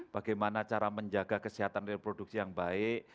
bagaimana cara menjaga kesehatan reproduksi yang baik